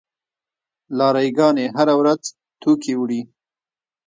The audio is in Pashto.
لاری ګانې هره ورځ توکي وړي.